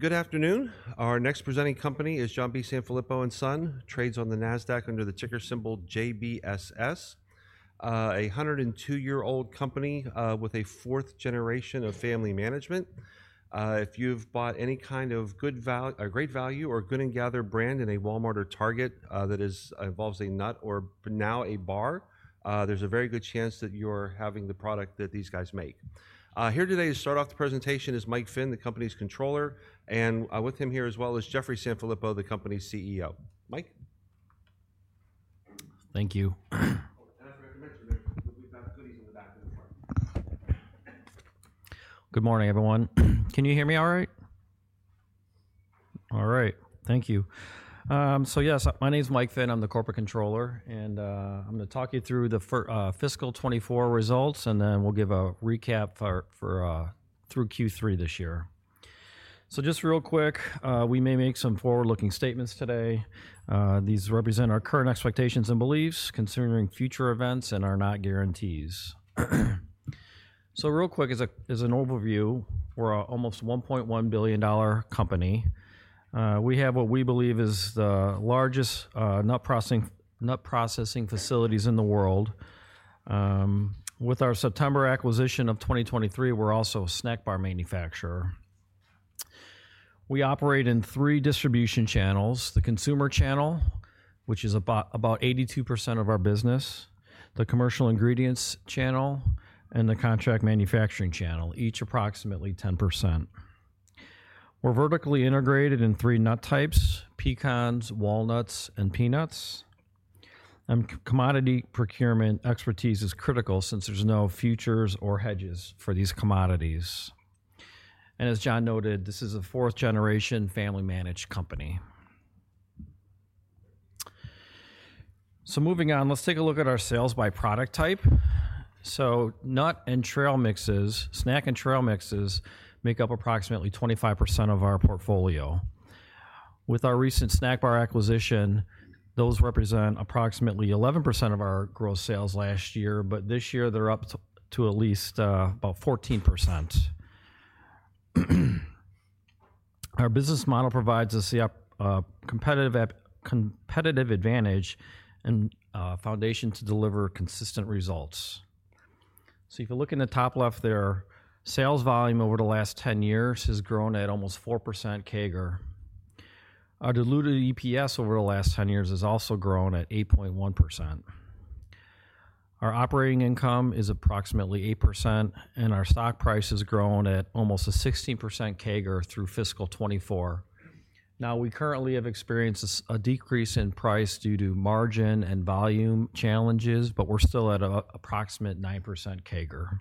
Good afternoon. Our next presenting company is John B. Sanfilippo & Son, trades on the Nasdaq under the ticker symbol JBSS. A 102-year-old company with a fourth generation of family management. If you've bought any kind of Great Value or Good & Gather brand in a Walmart or Target that involves a nut or now a bar, there's a very good chance that you're having the product that these guys make. Here today to start off the presentation is Mike Finn, the company's Controller, and with him here as well is Jeffrey Sanfilippo, the company's CEO. Michael? Thank you. Thanks for the introduction. We've got goodies in the back of the car. Good morning, everyone. Can you hear me all right? All right. Thank you. Yes, my name's Michael Finn. I'm the Corporate Controller, and I'm going to talk you through the fiscal 2024 results, and then we'll give a recap through Q3 this year. Just real quick, we may make some forward-looking statements today. These represent our current expectations and beliefs concerning future events and are not guarantees. Just real quick, as an overview, we're an almost $1.1 billion company. We have what we believe is the largest nut processing facilities in the world. With our September acquisition of 2023, we're also a snack bar manufacturer. We operate in three distribution channels: the consumer channel, which is about 82% of our business; the commercial ingredients channel; and the contract manufacturing channel, each approximately 10%. We're vertically integrated in three nut types: pecans, walnuts, and peanuts. Commodity procurement expertise is critical since there's no futures or hedges for these commodities. As John noted, this is a fourth generation family managed company. Moving on, let's take a look at our sales by product type. Nut and trail mixes, snack and trail mixes make up approximately 25% of our portfolio. With our recent snack bar acquisition, those represent approximately 11% of our gross sales last year, but this year they're up to at least about 14%. Our business model provides us a competitive advantage and foundation to deliver consistent results. If you look in the top left there, sales volume over the last 10 years has grown at almost 4% CAGR. Our diluted EPS over the last 10 years has also grown at 8.1%. Our operating income is approximately 8%, and our stock price has grown at almost a 16% CAGR through fiscal 2024. Now, we currently have experienced a decrease in price due to margin and volume challenges, but we're still at approximately 9% CAGR.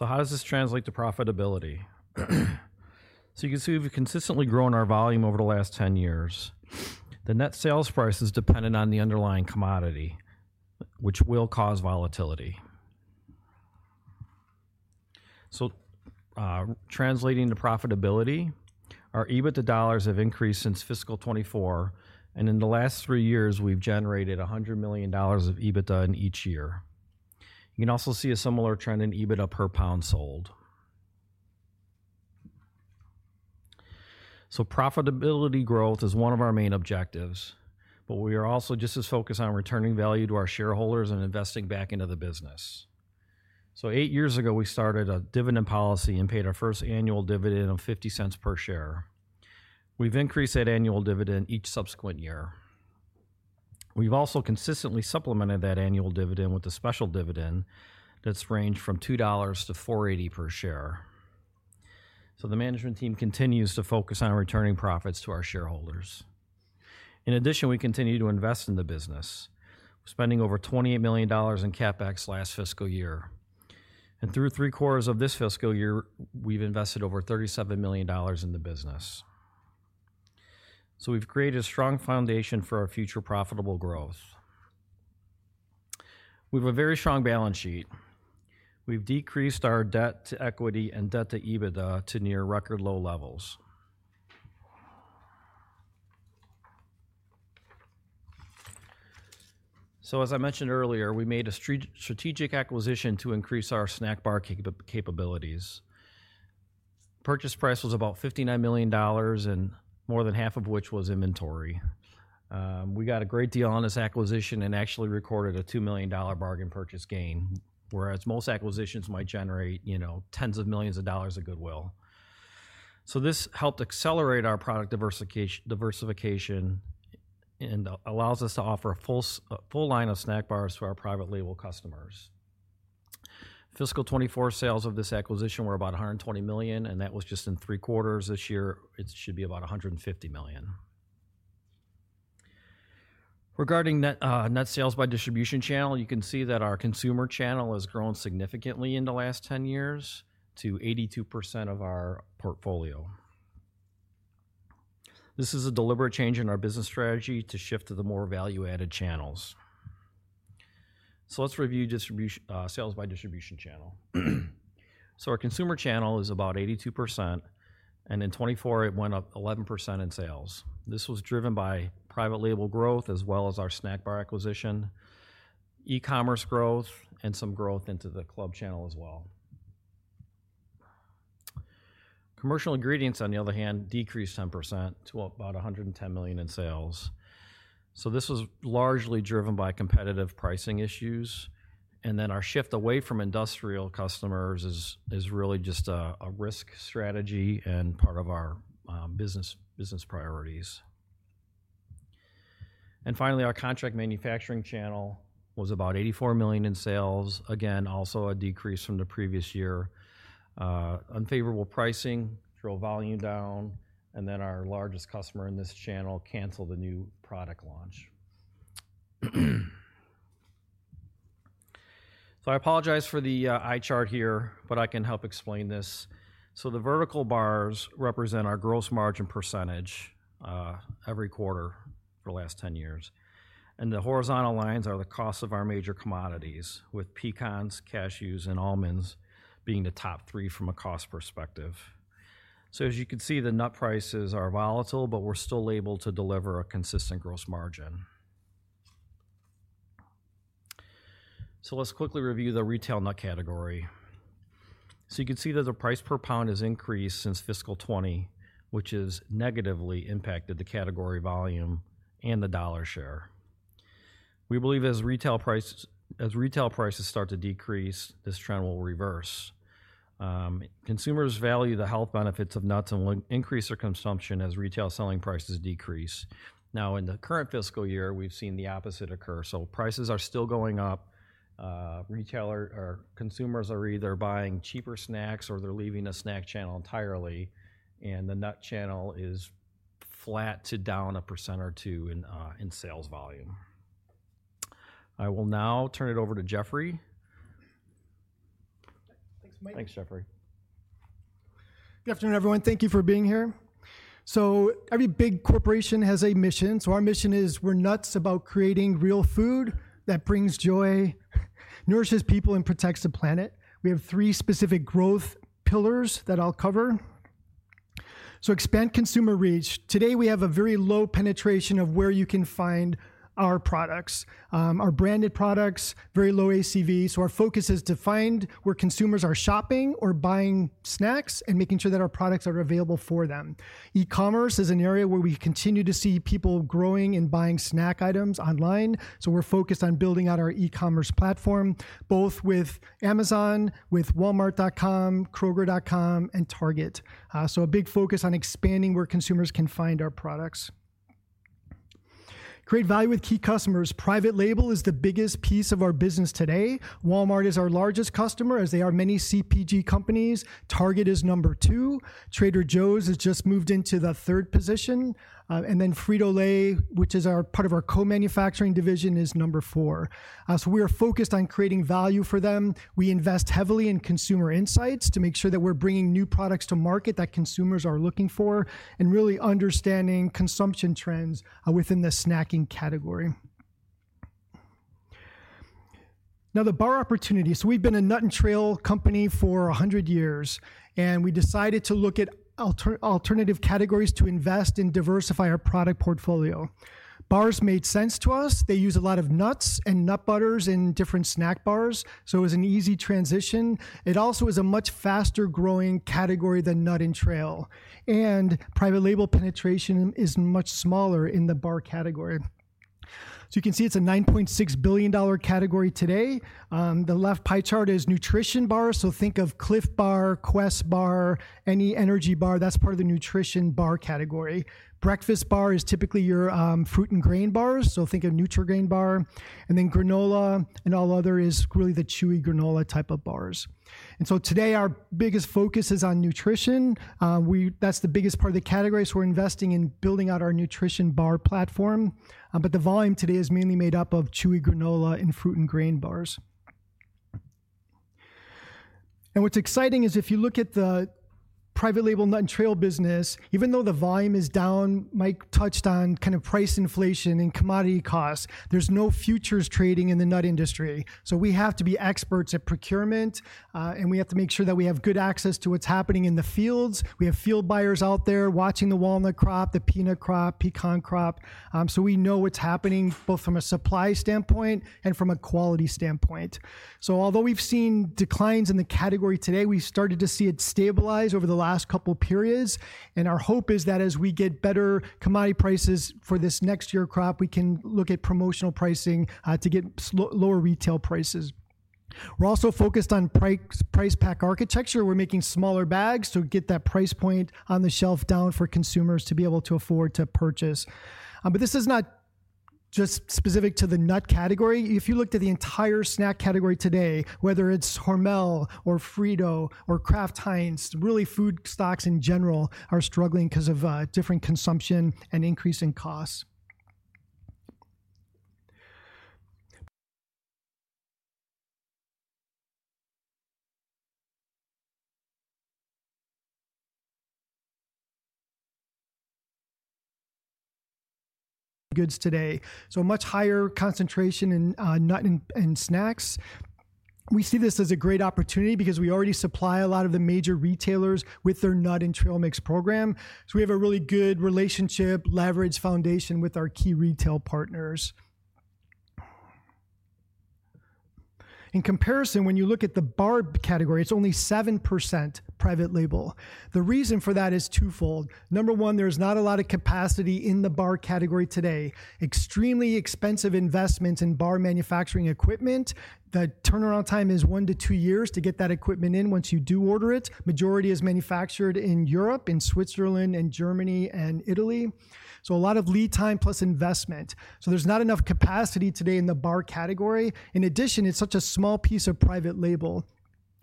How does this translate to profitability? You can see we've consistently grown our volume over the last 10 years. The net sales price is dependent on the underlying commodity, which will cause volatility. Translating to profitability, our EBITDA dollars have increased since fiscal 2024, and in the last three years, we've generated $100 million of EBITDA in each year. You can also see a similar trend in EBITDA per pound sold. Profitability growth is one of our main objectives, but we are also just as focused on returning value to our shareholders and investing back into the business. Eight years ago, we started a dividend policy and paid our first annual dividend of $0.50 per share. We've increased that annual dividend each subsequent year. We've also consistently supplemented that annual dividend with a special dividend that's ranged from $2-$4.80 per share. The management team continues to focus on returning profits to our shareholders. In addition, we continue to invest in the business, spending over $28 million in CapEx last fiscal year. Through three quarters of this fiscal year, we've invested over $37 million in the business. We've created a strong foundation for our future profitable growth. We have a very strong balance sheet. We've decreased our debt to equity and debt to EBITDA to near record low levels. As I mentioned earlier, we made a strategic acquisition to increase our snack bar capabilities. Purchase price was about $59 million, more than half of which was inventory. We got a great deal on this acquisition and actually recorded a $2 million bargain purchase gain, whereas most acquisitions might generate tens of millions of dollars of goodwill. This helped accelerate our product diversification and allows us to offer a full line of snack bars to our private label customers. Fiscal 2024 sales of this acquisition were about $120 million, and that was just in three quarters. This year, it should be about $150 million. Regarding net sales by distribution channel, you can see that our consumer channel has grown significantly in the last 10 years to 82% of our portfolio. This is a deliberate change in our business strategy to shift to the more value-added channels. Let's review sales by distribution channel. Our consumer channel is about 82%, and in 2024, it went up 11% in sales. This was driven by private label growth as well as our snack bar acquisition, E-commerce growth, and some growth into the club channel as well. Commercial ingredients, on the other hand, decreased 10% to about $110 million in sales. This was largely driven by competitive pricing issues. Our shift away from industrial customers is really just a risk strategy and part of our business priorities. Finally, our contract manufacturing channel was about $84 million in sales. Again, also a decrease from the previous year. Unfavorable pricing drove volume down, and our largest customer in this channel canceled a new product launch. I apologize for the eye chart here, but I can help explain this. The vertical bars represent our gross margin percentage every quarter for the last 10 years. The horizontal lines are the costs of our major commodities, with pecans, cashews, and almonds being the top three from a cost perspective. As you can see, the nut prices are volatile, but we're still able to deliver a consistent gross margin. Let's quickly review the retail nut category. You can see that the price per pound has increased since fiscal 2020, which has negatively impacted the category volume and the dollar share. We believe as retail prices start to decrease, this trend will reverse. Consumers value the health benefits of nuts and will increase their consumption as retail selling prices decrease. Now, in the current fiscal year, we've seen the opposite occur. Prices are still going up. Consumers are either buying cheaper snacks or they're leaving the snack channel entirely, and the nut channel is flat to down a percent or two in sales volume. I will now turn it over to Jeffrey. Thanks, Michael. Thanks, Jeffrey. Good afternoon, everyone. Thank you for being here. Every big corporation has a mission. Our mission is we're nuts about creating real food that brings joy, nourishes people, and protects the planet. We have three specific growth pillars that I'll cover. Expand consumer reach. Today, we have a very low penetration of where you can find our products. Our branded products, very low ACV. Our focus is to find where consumers are shopping or buying snacks and making sure that our products are available for them. E-commerce is an area where we continue to see people growing and buying snack items online. We're focused on building out our E-commerce platform, both with Amazon, with Walmart.com, Kroger.com, and Target. A big focus on expanding where consumers can find our products. Create value with key customers. Private label is the biggest piece of our business today. Walmart is our largest customer, as they are many CPG companies. Target is number two. Trader Joe's has just moved into the third position. Frito-Lay, which is part of our co-manufacturing division, is number four. We are focused on creating value for them. We invest heavily in consumer insights to make sure that we're bringing new products to market that consumers are looking for and really understanding consumption trends within the snacking category. Now, the bar opportunity. We've been a nut and trail company for 100 years, and we decided to look at alternative categories to invest and diversify our product portfolio. Bars made sense to us. They use a lot of nuts and nut butters in different snack bars, so it was an easy transition. It also is a much faster-growing category than nut and trail. Private label penetration is much smaller in the bar category. You can see it's a $9.6 billion category today. The left pie chart is nutrition bars. Think of Clif Bar, Quest Bar, any energy bar. That's part of the nutrition bar category. Breakfast bar is typically your fruit and grain bars. Think of Nutri-Grain Bar. Granola and all other is really the chewy granola type of bars. Today, our biggest focus is on nutrition. That's the biggest part of the category. We're investing in building out our nutrition bar platform. The volume today is mainly made up of chewy granola and fruit and grain bars. What's exciting is if you look at the private label nut and trail business, even though the volume is down, Michael touched on kind of price inflation and commodity costs, there's no futures trading in the nut industry. We have to be experts at procurement, and we have to make sure that we have good access to what's happening in the fields. We have field buyers out there watching the walnut crop, the peanut crop, pecan crop. We know what's happening both from a supply standpoint and from a quality standpoint. Although we've seen declines in the category today, we've started to see it stabilize over the last couple of periods. Our hope is that as we get better commodity prices for this next year crop, we can look at promotional pricing to get lower retail prices. We're also focused on price pack architecture. We're making smaller bags to get that price point on the shelf down for consumers to be able to afford to purchase. This is not just specific to the nut category. If you look to the entire snack category today, whether it's Hormel or Frito-Lay or Kraft Heinz, really food stocks in general are struggling because of different consumption and increasing costs. Goods today. So much higher concentration in nut and snacks. We see this as a great opportunity because we already supply a lot of the major retailers with their nut and trail mix program. We have a really good relationship, leverage foundation with our key retail partners. In comparison, when you look at the bar category, it's only 7% private label. The reason for that is twofold. Number one, there's not a lot of capacity in the bar category today. Extremely expensive investments in bar manufacturing equipment. The turnaround time is one to two years to get that equipment in once you do order it. Majority is manufactured in Europe, in Switzerland, and Germany and Italy. A lot of lead time plus investment. There is not enough capacity today in the bar category. In addition, it is such a small piece of private label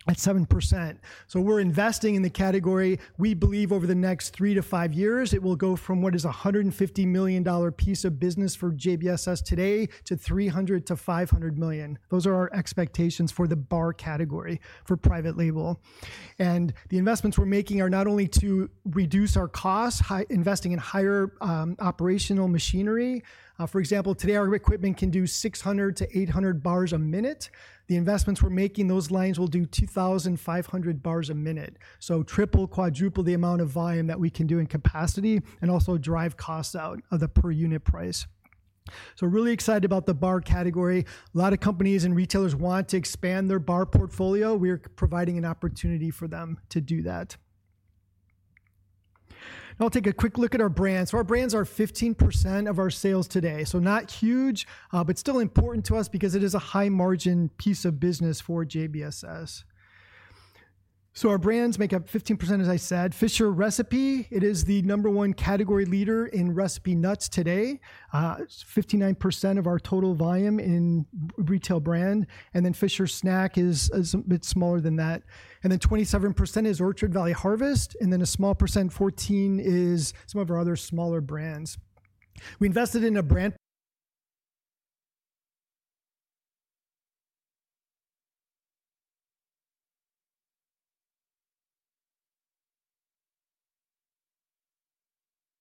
at 7%. We are investing in the category. We believe over the next three to five years, it will go from what is a $150 million piece of business for JBSS today to $300-$500 million. Those are our expectations for the bar category for private label. The investments we are making are not only to reduce our costs, investing in higher operational machinery. For example, today, our equipment can do 600-800 bars a minute. The investments we're making, those lines will do 2,500 bars a minute. Triple, quadriple the amount of volume that we can do in capacity and also drive costs out of the per unit price. Really excited about the bar category. A lot of companies and retailers want to expand their bar portfolio. We are providing an opportunity for them to do that. I'll take a quick look at our brands. Our brands are 15% of our sales today. Not huge, but still important to us because it is a high-margin piece of business for JBSS. Our brands make up 15%, as I said. Fisher recipe, it is the number one category leader in recipe nuts today. It's 59% of our total volume in retail brand. Fisher snack is a bit smaller than that. 27% is Orchard Valley Harvest. Then a small percent, 14%, is some of our other smaller brands. We invested in a brand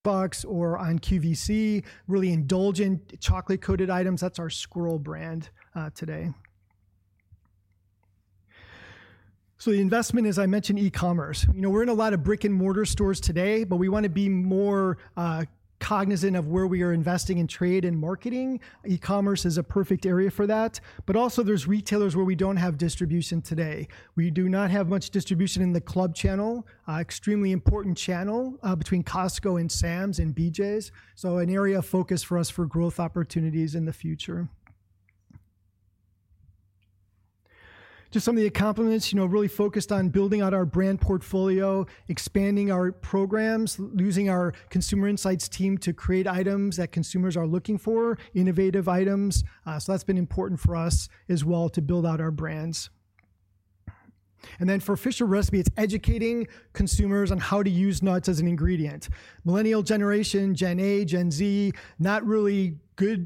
box or on QVC, really indulgent chocolate-coated items. That is our Squirrel Brand today. The investment, as I mentioned, e-commerce. We are in a lot of brick-and-mortar stores today, but we want to be more cognizant of where we are investing in trade and marketing. E-commerce is a perfect area for that. There are also retailers where we do not have distribution today. We do not have much distribution in the club channel, extremely important channel between Costco and Sam's and BJ's. An area of focus for us for growth opportunities in the future. Just some of the accomplishments, really focused on building out our brand portfolio, expanding our programs, using our consumer insights team to create items that consumers are looking for, innovative items. That's been important for us as well to build out our brands. For Fisher recipe, it's educating consumers on how to use nuts as an ingredient. Millennial generation, Gen A, Gen Z, not really good,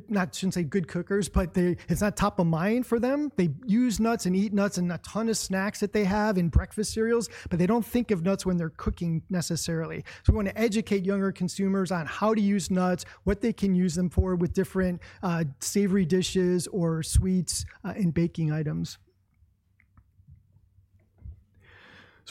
not to say good cookers, but it's not top of mind for them. They use nuts and eat nuts and a ton of snacks that they have in breakfast cereals, but they don't think of nuts when they're cooking necessarily. We want to educate younger consumers on how to use nuts, what they can use them for with different savory dishes or sweets and baking items.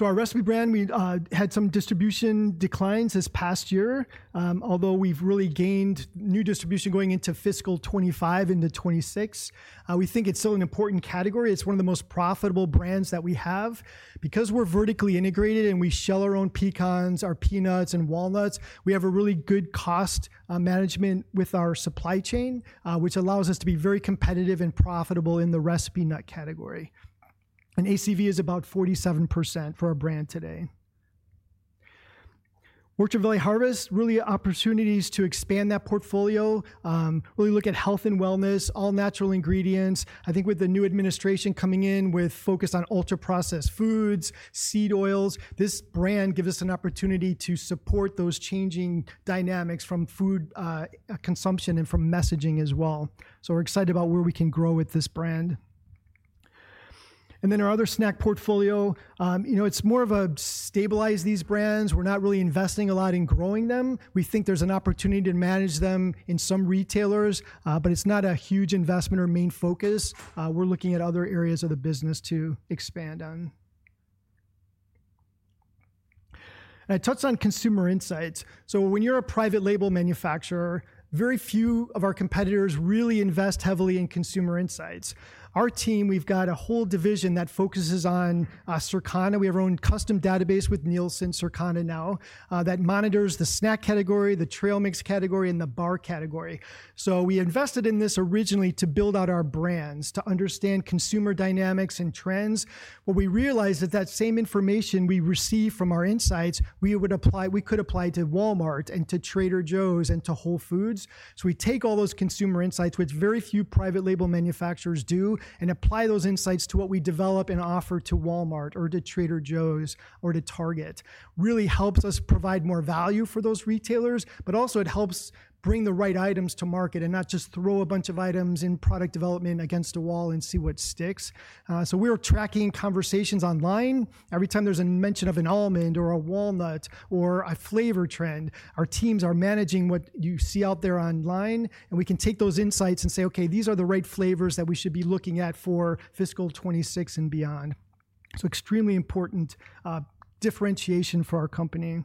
Our recipe brand, we had some distribution declines this past year, although we've really gained new distribution going into fiscal 2025 into 2026. We think it's still an important category. It's one of the most profitable brands that we have. Because we're vertically integrated and we shell our own pecans, our peanuts and walnuts, we have a really good cost management with our supply chain, which allows us to be very competitive and profitable in the recipe nut category. ACV is about 47% for our brand today. Orchard Valley Harvest, really opportunities to expand that portfolio, really look at health and wellness, all natural ingredients. I think with the new administration coming in with focus on ultra-processed foods, seed oils, this brand gives us an opportunity to support those changing dynamics from food consumption and from messaging as well. We're excited about where we can grow with this brand. Then our other snack portfolio, it's more of a stabilize these brands. We're not really investing a lot in growing them. We think there's an opportunity to manage them in some retailers, but it's not a huge investment or main focus. We're looking at other areas of the business to expand on. I touched on consumer insights. When you're a private label manufacturer, very few of our competitors really invest heavily in consumer insights. Our team, we've got a whole division that focuses on Circana. We have our own custom database with Nielsen Circana now that monitors the snack category, the trail mix category, and the bar category. We invested in this originally to build out our brands, to understand consumer dynamics and trends. What we realized is that same information we receive from our insights, we could apply to Walmart and to Trader Joe's and to Whole Foods. We take all those consumer insights, which very few private label manufacturers do, and apply those insights to what we develop and offer to Walmart or to Trader Joe's or to Target. It really helps us provide more value for those retailers, but also it helps bring the right items to market and not just throw a bunch of items in product development against a wall and see what sticks. We are tracking conversations online. Every time there's a mention of an almond or a walnut or a flavor trend, our teams are managing what you see out there online, and we can take those insights and say, "Okay, these are the right flavors that we should be looking at for fiscal 2026 and beyond." It is an extremely important differentiation for our company.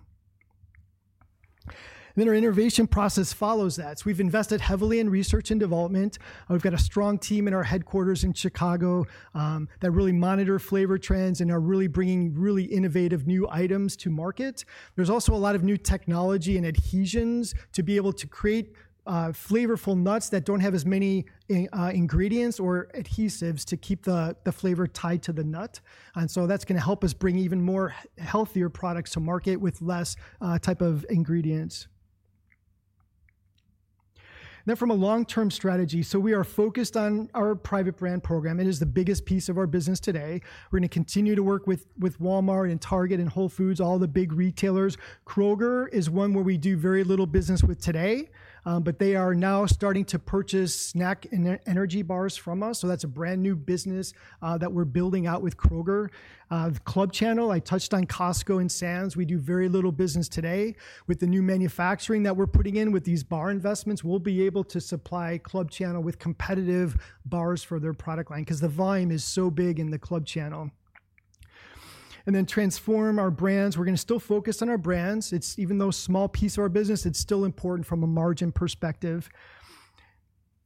Our innovation process follows that. We have invested heavily in research and development. We've got a strong team in our headquarters in Chicago that really monitor flavor trends and are really bringing really innovative new items to market. There's also a lot of new technology and adhesions to be able to create flavorful nuts that don't have as many ingredients or adhesives to keep the flavor tied to the nut. That is going to help us bring even more healthier products to market with less type of ingredients. From a long-term strategy, we are focused on our private brand program. It is the biggest piece of our business today. We're going to continue to work with Walmart and Target and Whole Foods, all the big retailers. Kroger is one where we do very little business with today, but they are now starting to purchase snack and energy bars from us. That's a brand new business that we're building out with Kroger. Club Channel, I touched on Costco and Sam's. We do very little business today. With the new manufacturing that we're putting in with these bar investments, we'll be able to supply Club Channel with competitive bars for their product line because the volume is so big in the Club Channel. Then transform our brands. We're going to still focus on our brands. Even though a small piece of our business, it's still important from a margin perspective.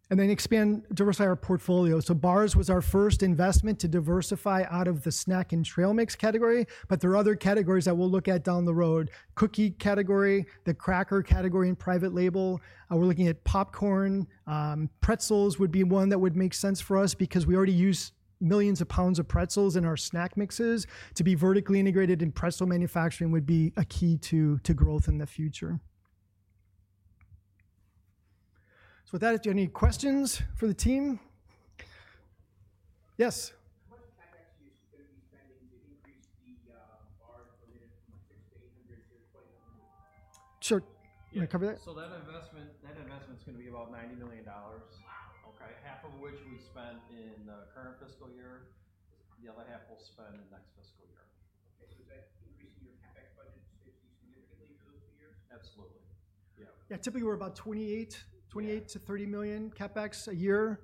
Then diversify our portfolio. Bars was our first investment to diversify out of the snack and trail mix category, but there are other categories that we'll look at down the road. Cookie category, the cracker category in private label. We're looking at popcorn. Pretzels would be one that would make sense for us because we already use millions of pounds of pretzels in our snack mixes. To be vertically integrated in pretzel manufacturing would be a key to growth in the future. With that, do you have any questions for the team? Yes. How much is Texas going to be spending to increase the bar per minute from 6,800 to 2,000? Sure. You want to cover that? That investment's going to be about $90 million. Wow. Okay. Half of which we spent in the current fiscal year. The other half we'll spend in next fiscal year. Okay. Increasing your CapEx budget significantly for those two years? Absolutely. Yeah. Yeah. Typically, we're about $28-$30 million CapEx a year.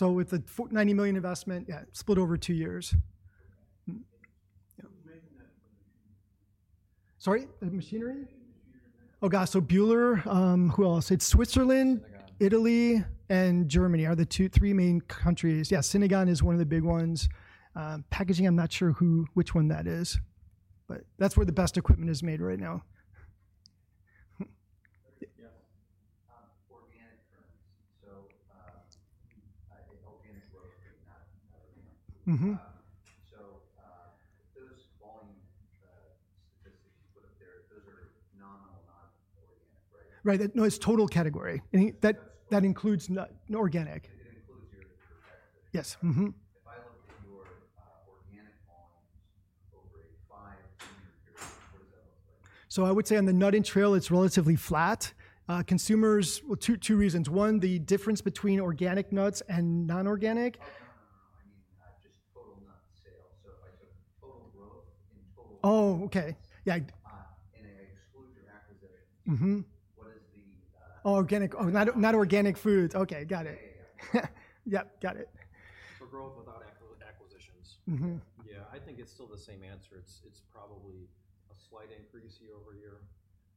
With the $90 million investment, split over two years. Sorry? Machinery? Oh, gosh. Bühler, who else? It's Switzerland, Italy, and Germany are the three main countries. Yeah. Syntegon is one of the big ones. Packaging, I'm not sure which one that is, but that's where the best equipment is made right now. Yes. Organic trends. So organic growth, not organic. So those volume statistics you put up there, those are nominal, not organic, right? Right. No, it's total category. That includes organic. It includes your taxes If I look at your organic volumes over a five-year period, what does that look like? So I would say on the nut and trail, it's relatively flat. Consumers, two reasons. One, the difference between organic nuts and non-organic. I mean, just total nut sales. So if I took total growth in total. Oh, okay. Yeah. And I exclude your acquisitions. What is the? Oh, organic. Not organic foods. Okay. Got it. Yep. Got it. For growth without acquisitions. Yeah. I think it's still the same answer. It's probably a slight increase year over year.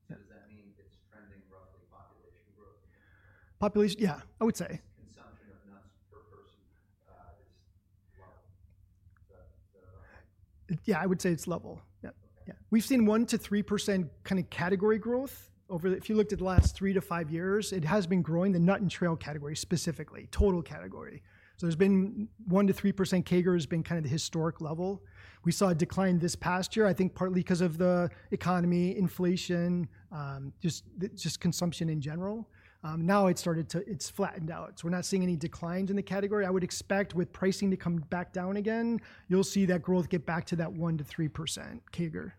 Does that mean it's trending roughly population growth? Population, yeah, I would say. Consumption of nuts per person is level. Yeah, I would say it's level. Yeah, We've seen 1-3% kind of category growth. If you looked at the last three to five years, it has been growing, the nut and trail category specifically, total category. There's been 1-3% CAGR has been kind of the historic level. We saw a decline this past year, I think partly because of the economy, inflation, just consumption in general. Now it's started to flatten out. We're not seeing any declines in the category. I would expect with pricing to come back down again, you'll see that growth get back to that 1-3% CAGR.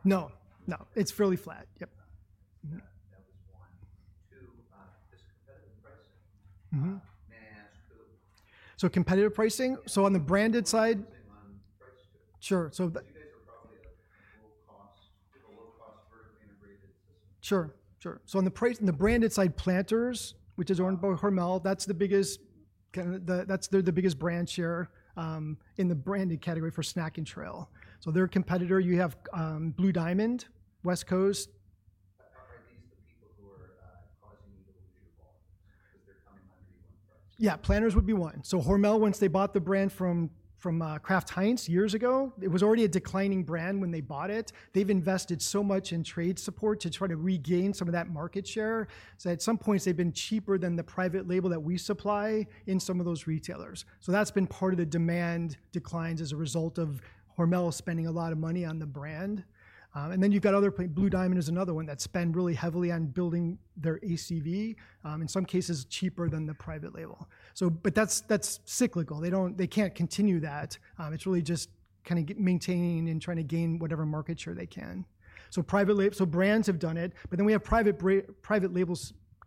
Got it. It is not like nut consumption per person is in some kind of secular decline. No.No. It is fairly flat. Yep. That was one. Two, this competitive pricing. May I ask who? Competitive pricing. On the branded side. Pricing on price too. Sure. You guys are probably a low-cost, vertically integrated system. Sure. Sure. On the branded side, Planters, which is owned by Hormel, that is the biggest brand share in the branded category for snack and trail. Their competitor, you have Blue Diamond, West Coast. Are these the people who are causing you to lose your ball? Because they are coming under you on price. Yeah. Planters would be one. Hormel, once they bought the brand from Kraft Heinz years ago, it was already a declining brand when they bought it. They've invested so much in trade support to try to regain some of that market share. At some points, they've been cheaper than the private label that we supply in some of those retailers. That's been part of the demand declines as a result of Hormel spending a lot of money on the brand. You have other play. Blue Diamond is another one that spends really heavily on building their ACV, in some cases cheaper than the private label. That's cyclical. They can't continue that. It's really just kind of maintaining and trying to gain whatever market share they can. Brands have done it. We have private label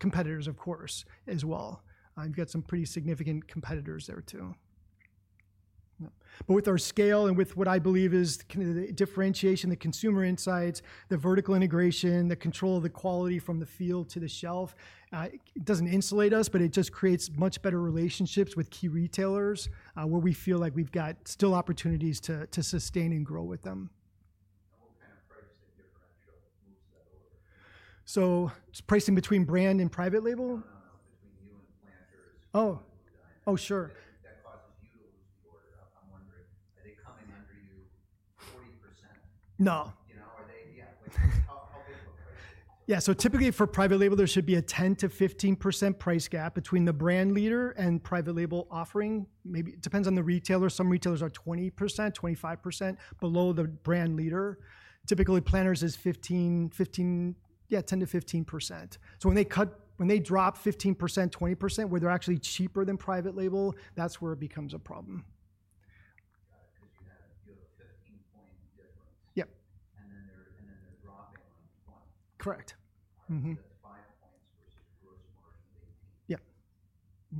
competitors, of course, as well. You have some pretty significant competitors there too. With our scale and with what I believe is the differentiation, the consumer insights, the vertical integration, the control of the quality from the field to the shelf, it does not insulate us, but it just creates much better relationships with key retailers where we feel like we have still opportunities to sustain and grow with them. What kind of price differentiation moves that order? So pricing between brand and private label? Between you and Planters. Oh, sure. That causes you to lose the order. I am wondering, are they coming under you 40%? No. Yeah How big of a price gap? Yeah So typically for private label, there should be a 10-15% price gap between the brand leader and private label offering. It depends on the retailer. Some retailers are 20%-25% below the brand leader. Typically, Planters is 15, yeah, 10-15%. When they drop 15%-20%, where they're actually cheaper than private label, that's where it becomes a problem. Got it. Because you have a 15-point difference. Yep. And then they're dropping on the point. Correct That's five points versus gross margin of 18. Yep. I'm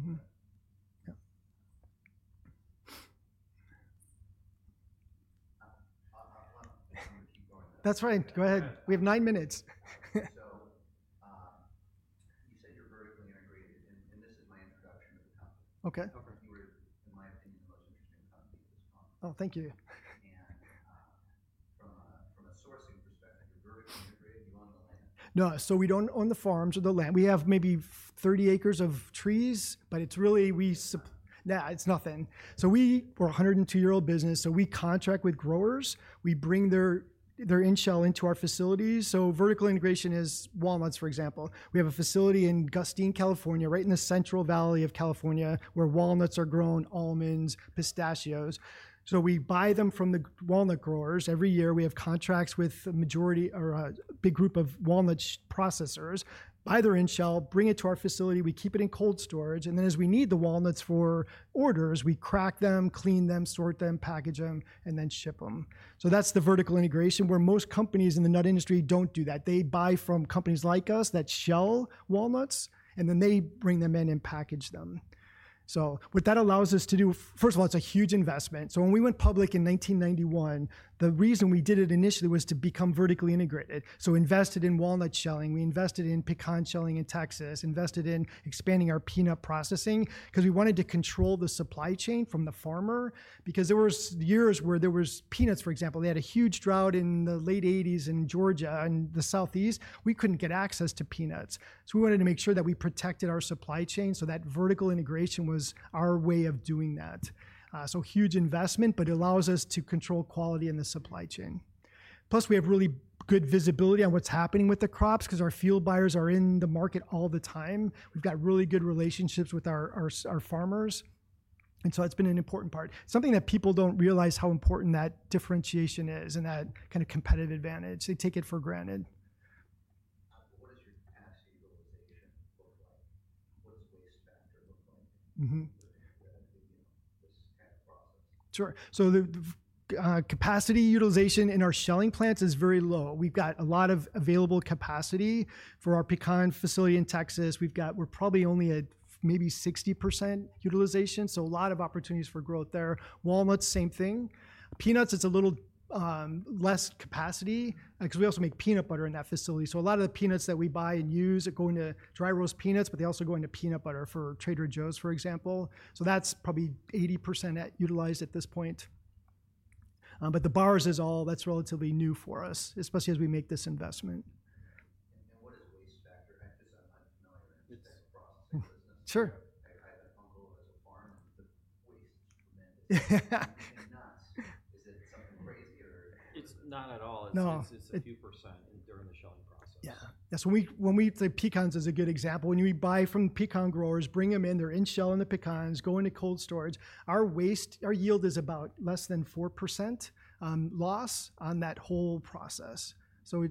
going to keep going there. That's fine. Go ahead. We have nine minutes. You said you're vertically integrated, and this is my introduction to the company. Okay, so far, you were, in my opinion, the most interesting company at this point. Oh, thank you. From a sourcing perspective, you're vertically integrated. You own the land? No, We don't own the farms or the land. We have maybe 30 acres of trees, but it's really no, it's nothing. We are a 102-year-old business. We contract with growers. We bring their inshell into our facilities. Vertical integration is walnuts, for example. We have a facility in Gustine, California, right in the Central Valley of California where walnuts are grown, almonds, pistachios. We buy them from the walnut growers. Every year, we have contracts with a majority or a big group of walnut processors. Buy their inshell, bring it to our facility. We keep it in cold storage. As we need the walnuts for orders, we crack them, clean them, sort them, package them, and then ship them. That is the vertical integration where most companies in the nut industry do not do that. They buy from companies like us that shell walnuts, and then they bring them in and package them. What that allows us to do, first of all, it is a huge investment. When we went public in 1991, the reason we did it initially was to become vertically integrated. We invested in walnut shelling. We invested in pecan shelling in Texas, invested in expanding our peanut processing because we wanted to control the supply chain from the farmer. There were years where there were peanuts, for example. They had a huge drought in the late 1980s in Georgia and the Southeast. We could not get access to peanuts. We wanted to make sure that we protected our supply chain so that vertical integration was our way of doing that. It was a huge investment, but it allows us to control quality in the supply chain. Plus, we have really good visibility on what is happening with the crops because our field buyers are in the market all the time. We have really good relationships with our farmers. That's been an important part. Something that people do not realize is how important that differentiation is and that kind of competitive advantage. They take it for granted. What does your capacity utilization look like? What does waste factor look like with this kind of process? Sure. Capacity utilization in our shelling plants is very low. We have a lot of available capacity for our pecan facility in Texas. We are probably only at maybe 60% utilization. A lot of opportunities for growth there. Walnuts, same thing. Peanuts, it is a little less capacity because we also make peanut butter in that facility. A lot of the peanuts that we buy and use are going to dry roast peanuts, but they also go into peanut butter for Trader Joe's, for example. That is probably 80% utilized at this point. The bars is all that's relatively new for us, especially as we make this investment. What is waste factor? Because I'm unfamiliar with the processing business. Sure. I have an uncle who has a farm, and the waste is tremendous. In nuts, is it something crazy or? It's not at all. It's a few percent during the shelling process. Yeah. When we say pecans is a good example, when we buy from pecan growers, bring them in, they're inshelling the pecans, going to cold storage. Our yield is about less than 4% loss on that whole process.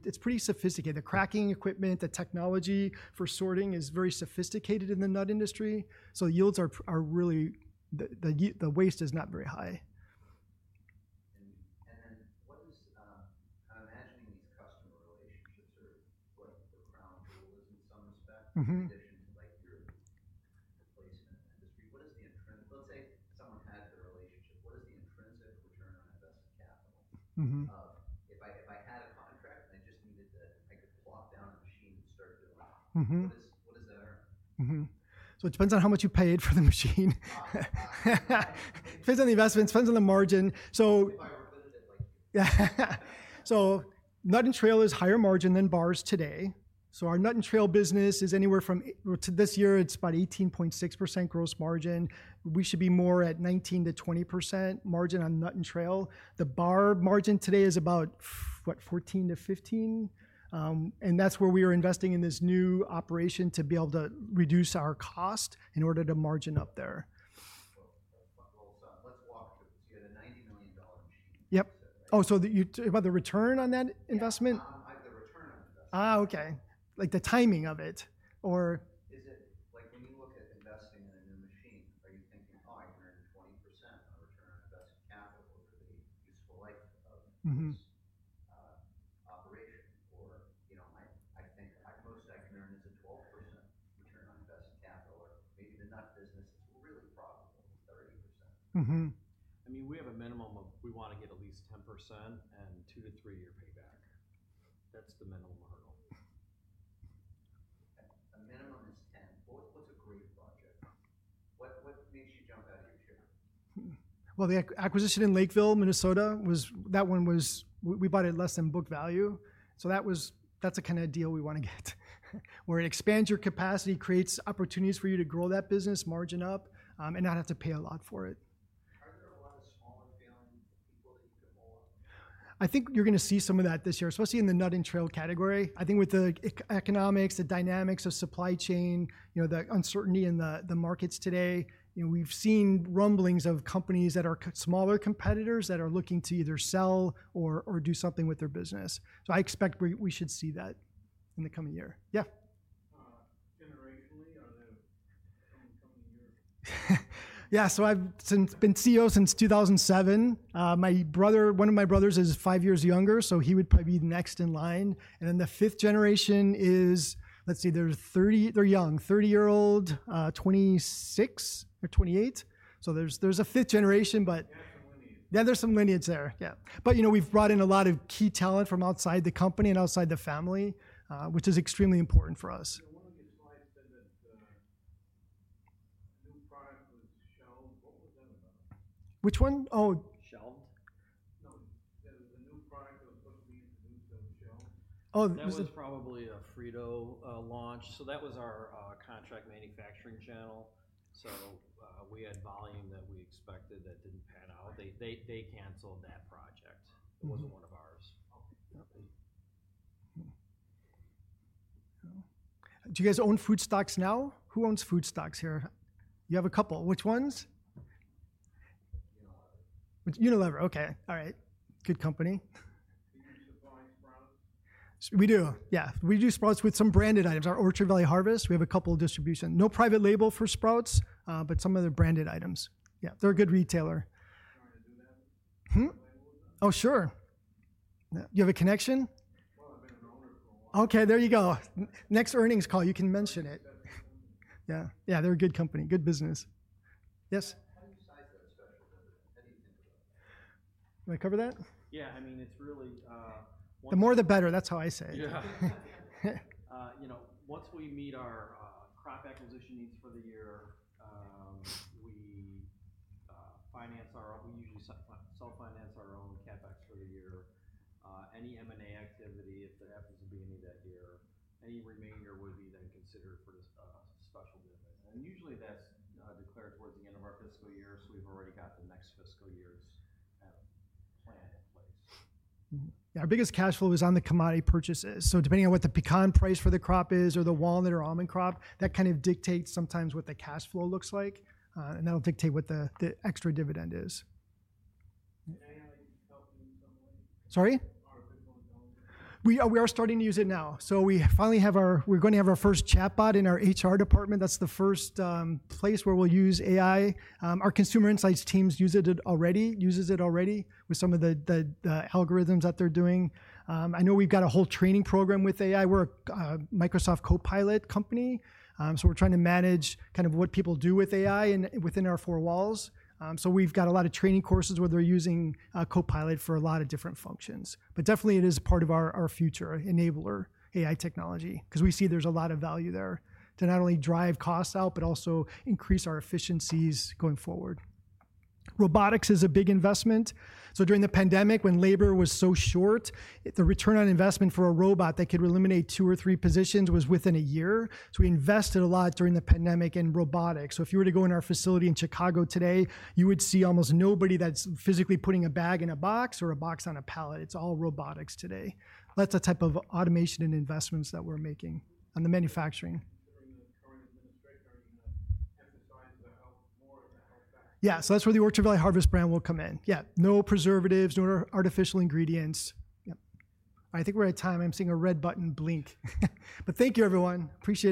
It's pretty sophisticated. The cracking equipment, the technology for sorting is very sophisticated in the nut industry. The yields are really, the waste is not very high. What is kind of managing these customer relationships or the crown jewel is in some respect, in addition to your replacement industry? What is the intrinsic, let's say someone had the relationship. What is the intrinsic return on invested capital? If I had a contract and I just needed to, I could plop down a machine and start doing it. What does that earn? It depends on how much you paid for the machine. It depends on the investment. It depends on the margin. If I were business like you. Nut and trail is higher margin than bars today. Our nut and trail business is anywhere from, this year, it's about 18.6% gross margin. We should be more at 19-20% margin on nut and trail. The bar margin today is about, what, 14-15%. That is where we are investing in this new operation to be able to reduce our cost in order to margin up there. Let's walk through. You had a $90 million machine. Yeh, Oh, about the return on that investment? The return on investment. Oh, okay. Like the timing of it, or? When you look at investing in a new machine, are you thinking, "Oh, I can earn 20% on return on invested capital over the useful life of this operation?" Or, "I think my most I can earn is a 12% return on invested capital," or maybe the nut business is really profitable, 30%. I mean, we have a minimum of we want to get at least 10% and two- to three-year payback. That is the minimum hurdle. A minimum is 10. What is a great budget? What makes you jump out of your chair? The acquisition in Lakeville, Minnesota, that one was we bought it less than book value. That's the kind of deal we want to get, where it expands your capacity, creates opportunities for you to grow that business, margin up, and not have to pay a lot for it. Are there a lot of smaller family people that you can pull up? I think you're going to see some of that this year, especially in the nut and trail category. I think with the economics, the dynamics of supply chain, the uncertainty in the markets today, we've seen rumblings of companies that are smaller competitors that are looking to either sell or do something with their business. I expect we should see that in the coming year. Generational are there some coming years? Yeah, I've been CEO since 2007. One of my brothers is five years younger, so he would probably be next in line. And then the fifth generation is, let's see, they're young, 30-year-old, 26 or 28. So there's a fifth generation, but. Yeah, there's some lineage. Yeah, there's some lineage there. Yeah. But we've brought in a lot of key talent from outside the company and outside the family, which is extremely important for us. One of your slides said that a new product was shelled. What was that about? Which one? Oh. Shelled? No. There was a new product that was supposed to be introduced that was shelled. Oh, that was probably a Frito launch. So that was our contract manufacturing channel. So we had volume that we expected that didn't pan out. They canceled that project. It wasn't one of ours. Do you guys own food stocks now? Who owns food stocks here? You have a couple. Which ones? Unilever. Unilever Okay. All right. Good company. Do you supply Sprouts? We do. Yeah. We do Sprouts with some branded items. Our Orchard Valley Harvest, we have a couple of distribution. No private label for Sprouts, but some of the branded items. Yeah. They're a good retailer. Trying to do that? Oh sure. You have a connection? I've been an owner for a while. Okay. There you go. Next earnings call, you can mention it. Yeah. Yeah. They're a good company. Good business. Yes? How do you size that special vendor? How do you think about that? Do I cover that? Yeah. I mean, it's really. The more the better. That's how I say it. Yeah. Once we meet our crop acquisition needs for the year, we finance our, we usually self-finance our own CapEx for the year. Any M&A activity, if there happens to be any that year, any remainder would be then considered for the special business. Usually, that's declared towards the end of our fiscal year. We've already got the next fiscal year's plan in place. Our biggest cash flow is on the commodity purchases. Depending on what the pecan price for the crop is or the walnut or almond crop, that kind of dictates sometimes what the cash flow looks like. That'll dictate what the extra dividend is. AI help you in some way? Sorry? Artificial intelligence. We are starting to use it now. We finally have our, we're going to have our first chatbot in our HR department. That's the first place where we'll use AI. Our consumer insights teams use it already, uses it already with some of the algorithms that they're doing. I know we've got a whole training program with AI. We're a Microsoft Copilot company. We're trying to manage kind of what people do with AI within our four walls. We've got a lot of training courses where they're using Copilot for a lot of different functions. It is definitely part of our future enabler AI technology because we see there's a lot of value there to not only drive costs out, but also increase our efficiencies going forward. Robotics is a big investment. During the pandemic, when labor was so short, the return on investment for a robot that could eliminate two or three positions was within a year. We invested a lot during the pandemic in robotics. If you were to go in our facility in Chicago today, you would see almost nobody that's physically putting a bag in a box or a box on a pallet. It's all robotics today. That's the type of automation and investments that we're making on the manufacturing. During the current administration, are you going to emphasize the health more of the health factor Yeah That's where the Orchard Valley Harvest brand will come in. Yeah. No preservatives, no artificial ingredients. Yep. All right. I think we're at time. I'm seeing a red button blink. Thank you, everyone. Appreciate it.